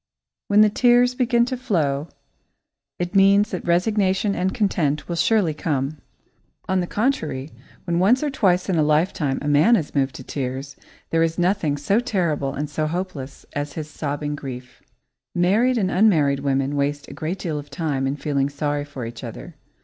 When the tears begin to flow, it means that resignation and content will surely come. On the contrary, when once or twice in a lifetime a man is moved to tears, there is nothing so terrible and so hopeless as his sobbing grief. Married and unmarried women waste a great deal of time in feeling sorry for each other.